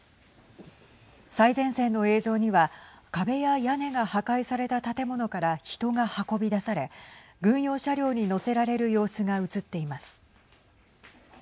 最前線の映像には壁や屋根が破壊された建物から人が運び出され、軍用車両に乗せられる様子が映っています。